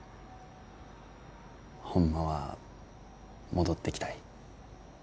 ホンマは戻ってきたい。